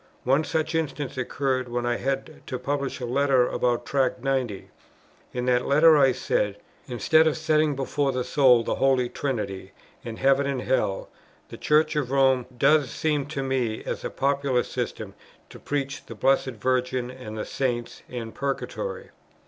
One such instance occurred, when I had to publish a Letter about Tract 90. In that Letter, I said, "Instead of setting before the soul the Holy Trinity, and heaven and hell, the Church of Rome does seem to me, as a popular system, to preach the Blessed Virgin and the Saints, and purgatory."